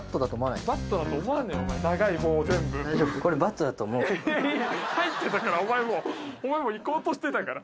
いい入ってたからお前もう行こうとしてたから。